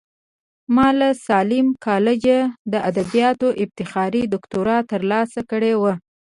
ما له ساليم کالجه د ادبياتو افتخاري دوکتورا ترلاسه کړې وه.